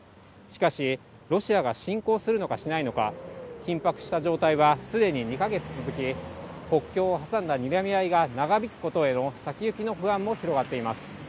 しかし、ロシアが侵攻するのかしないのか、緊迫した状態は、すでに２か月続き、国境を挟んだにらみ合いが長引くことへの先行きの不安も広がっています。